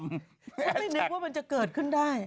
ไม่นึกว่ามันจะเกิดขึ้นได้